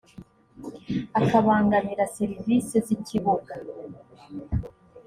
akabangamira serivisi z ikibuga